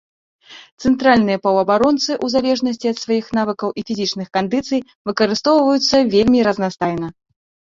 Цэнтральныя паўабаронцы, у залежнасці ад сваіх навыкаў і фізічных кандыцый, выкарыстоўваюцца вельмі разнастайна.